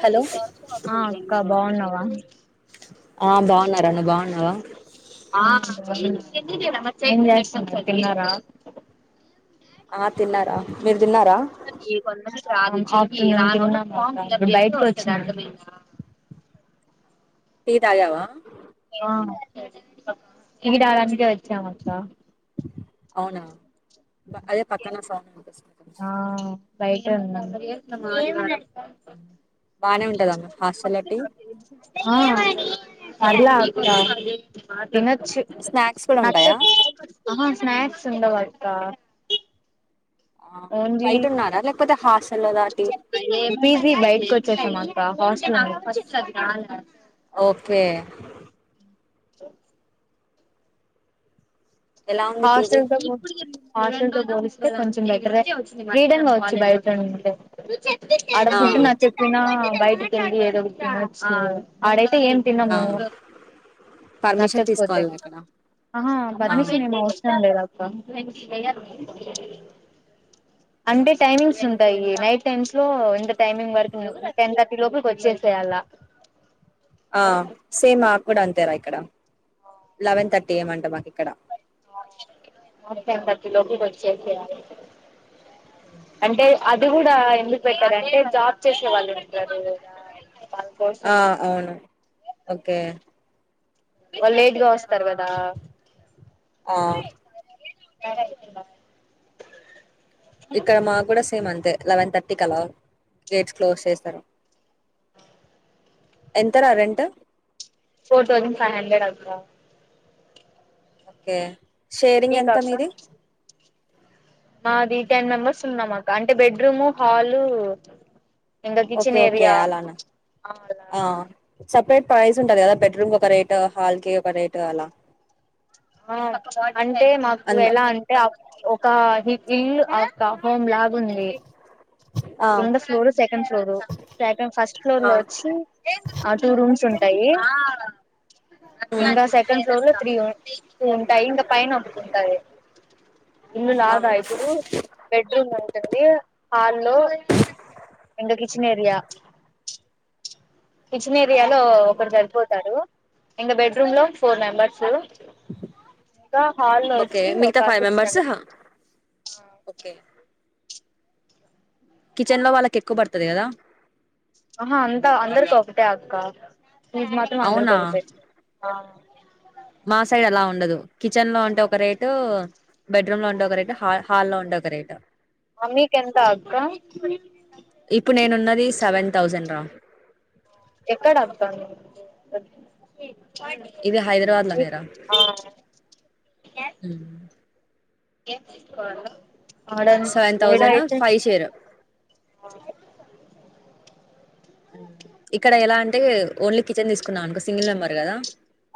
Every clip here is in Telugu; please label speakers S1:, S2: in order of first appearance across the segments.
S1: హలో
S2: ఆ అక్క బాగున్నావా?
S1: ఆ బాగున్నారా నువ్ బాగున్నావా
S2: [inaudible] తిన్నారా
S1: ఆప్
S2: ఈ కొండకి ప్రాణం [unintelligible]
S1: టీ తాగావా
S2: ఆ టీ తాగనీకే వచ్చామక్క
S1: అవునా అదే పక్కన షాప్ కని
S2: బైటే ఉందాం
S1: బానే ఉంటదమ్మ హాస్టల్ల టీ
S2: ఆ అడ్లా అక్క తినచ్
S1: స్నాక్స్ కూడా ఉంటాయా
S2: నచ్చక్ అహా స్నాక్స్ ఉండవక్క.
S1: ఆ బైటున్నారా లేకపోతే హాస్
S2: లే పిజి బైటిక్ వచ్చేసామక్క హాస్టల్
S1: ఓకే
S2: స
S1: ఎలా ఉంది పీజీ
S2: హాస్టల్తో పో హస్టల్తో పోలిస్తే కొంచెం బెటరె ఫ్రీడంగావచ్చు బైటుంటే ఆడ
S1: ఆ
S2: ఫుడ్ నచ్చక్పోయిన బయటికెళ్ళి ఏదో ఒకటి తినచ్చు. ఆడై తే ఏం
S1: ఆ
S2: తినము
S1: పర్మిషన్
S2: నచ్చక్పోతే
S1: తీసుకోవాలా అక్కడ
S2: అహా
S1: ఆ
S2: బర్శి ప్రశ్న లేదప్ప అంటే టైమింగ్స్ ఉంటాయి నైట్ టైమ్స్లో ఇంత టైమింగ్ వరకు టెన్ థర్టీ లోపల్కొచ్చేస్ సేయాలా
S1: ఆ సేమ్ మాక్ గుడా అంతేరా ఇక్కడ లెవెన్ థర్టీ ఏం అంట మాక్ ఇక్కడ
S2: మాక్ టెన్ థర్టీ లోపు ఇటు వచ్చేసెయ్యాలి అంటే అది గుడా ఎందుక్ పెట్టారంటే జాబ్ చేసే వాళ్ళు ఉంటారు వాళ్ళ కోసం
S1: ఆ అవును. ఒకే
S2: వాళ్ లేట్‌గా వస్తార్ కదా
S1: ఆ
S2: అడతే
S1: ఇక్కడ మాక్ గుడా సేమ్ అంతే లెవెన్ థర్టీక్ అలా గేట్స్ క్లోజ్ చేస్తారు. ఎంత రా rent?
S2: Four thousand five hundred అక్క
S1: ఒకే షేరింగ్
S2: మీకా
S1: ఎంత
S2: అక్క
S1: మీది?
S2: మాది టెన్ మెంబర్స్ ఉన్నమక్క అంటే బెడ్రూము, హాలు ఇంకా
S1: ఓకే
S2: కిచెన్
S1: ఓకే
S2: ఏరియా ఆ అలా
S1: సెపరేట్ ప్రైజ్ ఉంటది కదా బెడ్‌రూమ్ ఒక రేట్ హాల్కి ఒక రేట్ అలా
S2: ఆ అంటే మాకు
S1: అంద
S2: ఎలా అంటే అ ఒక హి ఇల్లు అక్క హోమ్ లాగుంది.
S1: ఆ
S2: రెండొ floor second floor second first
S1: ఆ
S2: ఫ్లోర్లో వచ్చి ఆహ్ టూ రూమ్స్ ఉంటాయి. ఆహ్.
S1: ఉమ్
S2: ఇంకా సెకండ్ ఫ్లోర్లో త్రీ ఉన్ ఉంటాయి. ఇంకా పైన ఒకట్ ఉంటాయి.
S1: ఆ
S2: ఇందులాగ ఇప్పుడు బెడ్రూమ్ ఉంటుంది. హాల్లో ఇంకా కిచెన్ ఏరియా కిచెన్ ఏరియా లో ఒకడు సరిపోతారు ఇంకా బెడ్రూమ్ లో ఫోర్ మెంబర్స్. ఇంకా హాల్ లో
S1: ఓకే
S2: వచ్చి
S1: మిగతా
S2: ఒక
S1: ఫైవ్
S2: సిక్స్ మెంబర్స్.
S1: హ, ఓకే. కిచెన్ లో వాళ్ళకి ఎక్కువ పడ్తది కదా.
S2: ఆహా అంతా అందరికి ఒకటే అక్క ఫీజ్ మాత్రం
S1: అవునా
S2: అందరికోకటె. ఆవ్.
S1: మా సైడ్ అలా ఉండదు. కిచెన్ లో ఉంటే ఒక రేటూ. బెడ్రూమ్ లో ఉంటే ఒక రేటు హ హాల్లో ఉంటె ఒక రేటు.
S2: మమ్మీకెంత అక్క.
S1: రి సెవెన్ తౌసండ్ రా.
S2: ఎక్కడ అప్పాను. హ్
S1: ఇది హైదరాబాద్ లోనేరా
S2: ఆహ్ ఏం. ఏం కావాలా. ఆడన్
S1: సెవెన్
S2: ఏడ
S1: థౌజండ్
S2: అయితే.
S1: ఫైవ్ షేర్ ఇక్కడ ఎలా అంటే ఓన్లీ కిచెన్ తీసుకున్నావనుకో సింగిల్ నెంబర్ కదా.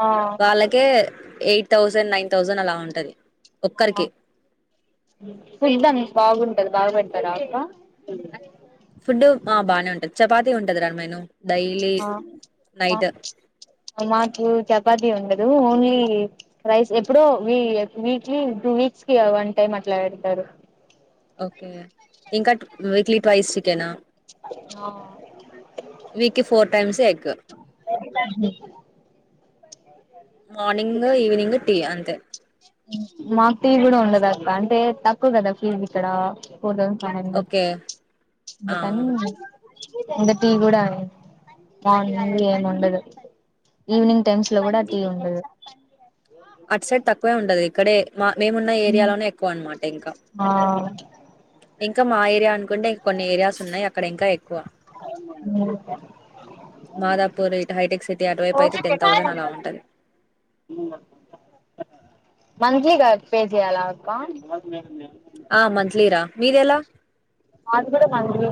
S2: ఆ
S1: వాళ్లకే ఎయిట్ థౌసండ్ నైన్ థౌసండ్ అలా ఉంటది. ఒక్కరికి
S2: వినడం బాగుంది. బాదపెడ్తార అక్క.
S1: ఫుడ్ ఆహ్ బానే ఉంటది చపాతీ ఉంటదిరా మేను.
S2: ఆహ్ ఆహ్ మాకు చపా. చపాతి ఉండదు ఓన్లీ రైస్ ఎప్పుడో వీ ఆహ్ వీక్లీ టూ వీక్స్ కి వన్ టైమ్ అల ఇట్లే పెడుతారు.
S1: ఇంకా వీక్లీ ట్వైస్.
S2: ఆహ్.
S1: వీక్ కి four times egg. Morning evening tea అంతే.
S2: మాక్ టీ కూడా ఉండదాక్క అంటే తక్కువ కదా ఫీజ్ ఇక్కడ. Two thousand five hundred
S1: okay ఆ
S2: అందుకని ఇంకా టీ కూడా. మార్నింగ్ ఏముండదూ ఈవినింగ్ టైమ్స్ లో కూడా టీ ఉండదు.
S1: అట్ సైడ్ తక్కువే ఉండది. ఇక్కడే మా మేమున్న ఏరియాలోనే ఎక్కువ అనమాట ఇంకా.
S2: ఆ
S1: ఇంకా మా ఏరియా అనుకుంటే ఇంకొన్ని ఏరియాస్ ఉన్నాయి అక్కడ ఇంకా ఎక్.
S2: ఉమ్మ్.
S1: మాదాపూర్ ఇటు హైటెక్ సిటీ అటువైపు అయితే టెన్ థౌసండ్ అలా ఉంటాది.
S2: ఉమ్.
S1: [inaudible]
S2: మంత్లీగా పే చేయాల అక్క.
S1: ఆహ్ మంత్లీరా మీదెలా.
S2: మాది కూడా మంత్లీనే.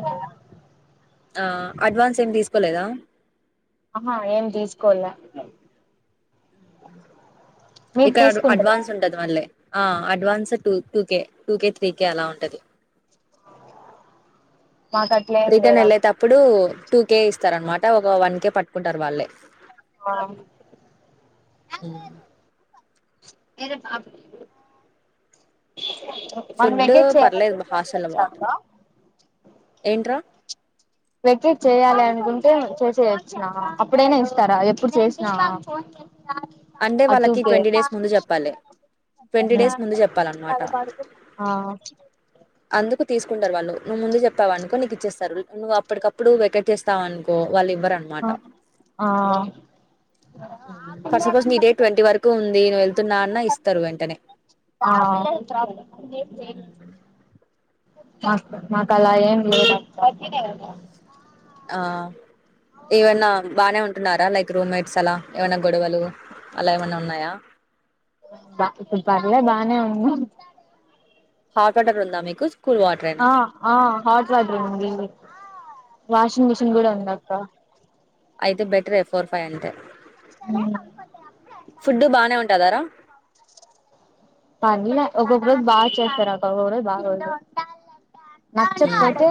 S1: ఆహ్ అడ్వాన్స్ ఏమి తీసుకోలేదా.
S2: ఆహ్ ఏం తీస్కోలె.
S1: ఇక్కడ అడ్ అడ్వాన్స్ ఉంటది మళ్ళి. ఆహ్ అడ్వాన్స్ టూ టూకే, టూకే త్రీకే అలా ఉంటాది.
S2: మాకు అట్లే ఏం
S1: రిటర్న్
S2: లేదు అక్క
S1: వెళ్ళేటప్పుడు టూకే ఇస్తారనమట ఒక వన్ కే పట్టుకుంటారు వాళ్ళే.
S2: మా ద.
S1: ఉమ్.
S2: ఏరే బాబు
S1: ఫుడ్డు పర్లేదు హాస్టల్ ల బంటదీ
S2: అక్క
S1: ఏంట్రా
S2: వెకెట్ చేయ్యాలి అనుకుంటే చేసేయొచ్చున అప్పుడైనా ఇస్తారా ఎప్పుడు చేసినా.
S1: అంటే
S2: ఆ టూ
S1: వాళ్ళకి
S2: కే
S1: ట్వంటీ డేస్ ముందు చెప్పలే. ట్వంటీ డేస్ ముందు చెప్పాలన్నమాట అందుకు తీసుకుంటారు వాళ్ళు నువ్వు ముందు చెప్పావణుకో నీకు ఇచ్చేస్తారు నువ్వు అప్పటికప్పుడు వెకట్ చేస్తావనుకో వాళ్
S2: అ ఆ
S1: ఫర్ సపోజ్ నీ డేట్ ట్వంటీ వరకు ఉంది నువ్వు వెళ్తున్నా అన్న ఇస్తరు వెంటనే
S2: ఆ మాక్ మాకలా ఏం లేదు [inaudible]
S1: ఆ ఏవన్నా బానే ఉన్ ఉన్నార లైక్ రూమ్మేట్స్ అలా ఏవైనా గొడవలు అలా ఏమన్న ఉన్నాయా
S2: బా ఇప్పుడ్ పర్లే బానే ఉన్నారు
S1: హాట్ వాటర్ ఉందా మీకు కూల్ వాటరేనా
S2: ఆ ఆ హాట్ వాటర్ వుంది వాషింగ్ మిషిన్ గుడ ఉందక్క
S1: అయితే బెటరే ఫోర్ ఫైవ్
S2: హ్మ్
S1: ఫుడ్డూ బానే ఉంటద రా
S2: పర్లే ఒక్కొక్క రోజు బా చేస్తారు అక్క ఒక్కొక్క రోజు బాగోదు నచ్చక్పోతే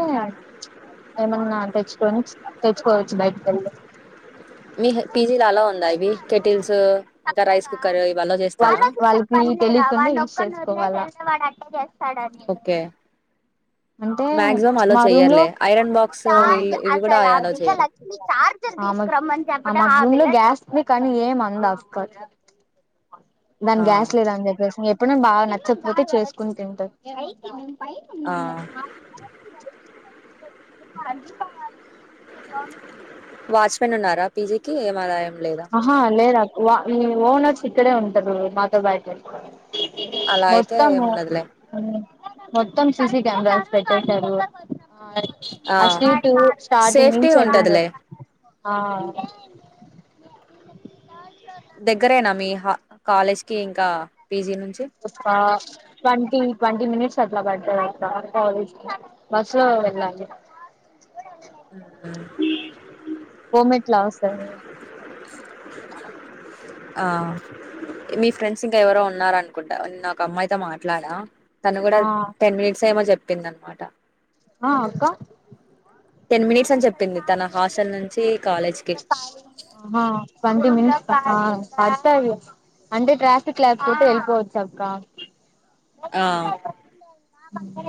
S2: ఏమైన్నా తెచ్చుకొని తెచ్చుకోవచ్చు బయటికెళ్ళి
S1: మీహ్ పీజీ లో అలౌవుందా ఇవి కెటిల్స్ ఇంకా రైస్ కుక్కర్ ఇవి అలౌ చేస్తర
S2: ఇప్పుడు తెలీకుండా యూస్ చేస్కోవాల
S1: ఓకే
S2: అంటే
S1: మాక్సిమం
S2: ప్చ్
S1: అలో
S2: మా రూమ్ లో
S1: చెయ్యర్లే ఐరన్ బాక్స్
S2: ఆ
S1: వీళ్ళు ఇవి కూడా అలో
S2: అమే
S1: చెయ్యరు
S2: ఫుల్లు గ్యాస్ కనీ ఏం అంద్ ఆ అక్క దాని
S1: ఆ
S2: గ్యాస్ లేదని చెప్పేసి ఎప్పుడైనా బాగ నచ్చపోతే చేస్కొని తింటద్ బైట
S1: ఆ
S2: ఉన్నాను నేన్ [inaudible]
S1: వాచ్మెన్ ఉన్నార పీజీకి ఏం అల ఏం లేదా
S2: ఆహా లేర్ అక్ వో ఓనర్స్ ఇక్కడే ఉంటరు మాతో పాటీ
S1: అలా అయితే
S2: వస్తము
S1: ఏమున్నదిలే
S2: హ్మ్ మొత్తం సీసీ కెమెరాస్ పెట్టేసారు ఆ స్ట్రీట్ ఉ స్టార్టింగ్
S1: సేఫ్టీ
S2: నుంచి ఎడింగ్
S1: ఉంటదిలే
S2: వరాక్ ఆ
S1: దేగ్గరేనా మీ హా కాలేజ్కి ఇంక పీజీ నుంచి
S2: ఒక ట్వంటీ ట్వంటీ మినేట్స్ అట్లా పడ్తద్ అక్క కాలేజ్ కి బస్ లో వెళ్ళాలి
S1: హ్మ్
S2: ఓ మేడ్
S1: ఆ మీ ఫ్రెండ్స్ ఇంకా ఎవరో ఉన్నారనుకుంటా నిన్న ఒక అమ్మాయితో మాట్లాడా తను గుడ
S2: ఆ
S1: టెన్ మినిట్స్ ఏమో చెప్పిందనమాట
S2: అ అక్క
S1: టెన్ మినిట్స్ అని చెప్పింది తన హాస్టల్ నుంచి కాలేజ్ కి
S2: ఆ ట్వంటీ మీన్ ఆ పడతది లే అంటే ట్రాఫిక్ లేకపోతె వెళ్ళిపోవచ్ అక్క
S1: ఆ
S2: హ్మ్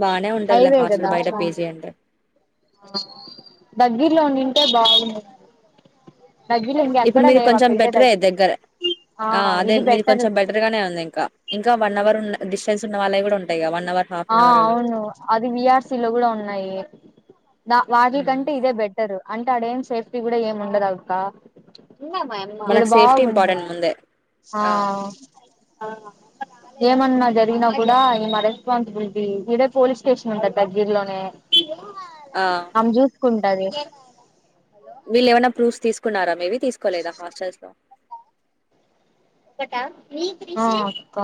S1: బానే ఉంటదిలే హాస్టల్ బయట పిజి అంటే
S2: దగ్గిర్లో ఉండింటే బాగుం
S1: ఇప్పుడు మీది కొంచెం బెటరే దగ్గరె ఆ అదే
S2: ఇది
S1: మీది
S2: బెటరు
S1: కొంచెం బెటర్ గానే ఉంది ఇంకా ఇంకా వన్ అవర్ ఉన్ డిస్టెన్స్ ఉన్న వాళ్ళవి కూడా ఉంటాయి గా వన్ అవర్ హాఫ్
S2: ఆ
S1: అన్ అవర్ అలా
S2: అవును అది వి ఆర్ సి లో గుడ ఉన్నాయి వా
S1: హ్మ్
S2: వాటిలకంటే ఇదే బెటరు అంటే అడేం సేఫ్టీ కూడా ఏం ఉండదు అక్క ఇడా
S1: మనకు సేఫ్టీ
S2: బాగుండ
S1: ఇంపార్టెంట్ ముందే
S2: ఆ ఏమన్నా జరిగినా కూడా ఇమరె రెస్పాన్సిబులిటీ ఇదే పోలీస్ స్టేషన్ ఉంటాది దగ్గిరలోనే
S1: ఆ
S2: ఆమె జూసుకు టది
S1: కున్నారా మీది తీసుకోలేదా హాస్టల్స్లో
S2: ఆ అక్క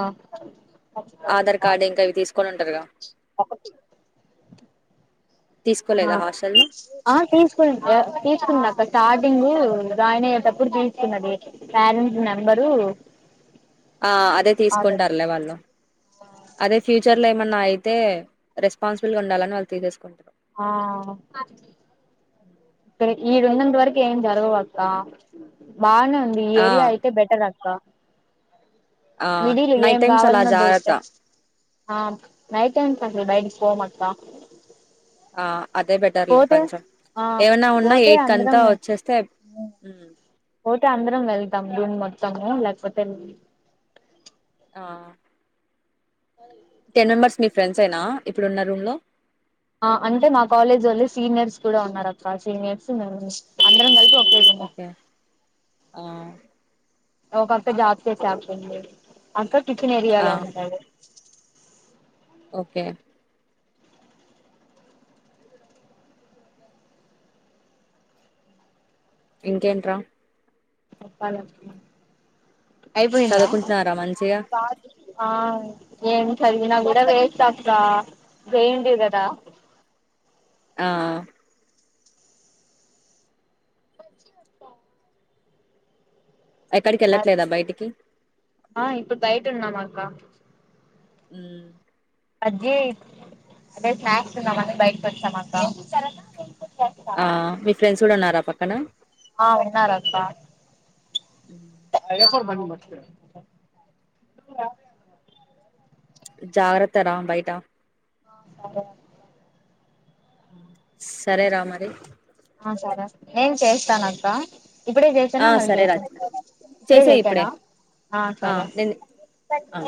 S1: ఆధార్ కార్డు ఇంకా అవి తీసుకొని ఉంటారుగా
S2: అ
S1: తీసుకోలేదా హాస్టల్లో
S2: ఆ తీసుకు తీసుకుందక్కా స్టార్టింగు జాయిన్ అయ్యేటప్పుడు దీసుకున్న డేట్ పేరెంట్స్ నెంబరు
S1: ఆ అదే
S2: ఆధార్
S1: తీసుకుంటారులే వాళ్ళు అదే ఫ్యూచర్ ఏమన్నా అయితే రెస్పాన్సిబుల్గా ఉండాలని వాళ్ళు తీసేసుకుంట
S2: ఆ ఇక్కడే ఈడున్నంత వరకు ఏం జరగవక్కా బానే ఉంది ఈ
S1: ఆ
S2: ఏరియా అయితే బెటర్ అక్క
S1: ఆ
S2: మిడిలు ఏం
S1: నైట్ టైమ్స్ అలా
S2: గావాలన్నా
S1: జాగ్రత్త
S2: దొరుకుతాయ్. ఆ నైట్ టైమ్స్ అసలు బయటికి పోమక్కా
S1: ఆ అదే బెటర్లే కొంచం
S2: ఆ
S1: ఏవన్నా ఉన్నా
S2: పోతే
S1: ఎయిట్
S2: అందరం
S1: కంతా వచ్చేస్తే
S2: పోతే అందరం వెళ్తాం రూమ్ మొత్తము లేకపోతే
S1: ఆ
S2: [unintelligible]
S1: టెన్ మెంబెర్స్ నీ ఫ్రెండ్సేనా ఇప్పుడున్న రూమ్ లో
S2: ఆ అంటే మా కాలేజొళ్ళు సీనియర్స్ కూడా ఉన్నారు అక్క సీనియర్స్ [unintelligible] అందరం కలిసి
S1: ఓకే ఆ
S2: ఒకక్క జాబ్ చేసే అక్క ఉంది అక్క కిచన్
S1: ఆ
S2: ఏరియాలో ఉంటాది.
S1: ఓకే ఇంకేంట్రా
S2: అయిపోయిందా
S1: చదువుకుంటున్నారా మంచిగా
S2: ఆ ఏం చదివినా గూడా వేస్ట్ అక్క జె ఎన్ టి యు కదా
S1: ఆ
S2: మంచిగుంది
S1: ఎక్కడికి వెళ్ళట్లేదా బయటికి
S2: ఆ ఇప్పు బయటున్నాం అక్కా
S1: హ్మ్
S2: బజ్జీ అదే స్నాక్స్ తిందామని బైటికి వచ్చాం అక్క
S1: ఆ మీ ఫ్రెండ్స్ గూడా ఉన్నార పక్కన
S2: ఆ ఉన్నారక్కా [unintelligible]
S1: జాగ్రత్త రా బైటా
S2: ఆ సరే అక్క
S1: హ్మ్ సరే రా మరి
S2: నేను చేస్తానక్కా ఇప్పుడే చేసేన
S1: ఆ
S2: మళ్ళీ
S1: సరేరా
S2: చేసేన ఇప్పుడే చేసేన
S1: ఆ
S2: సరే
S1: నేను ఆ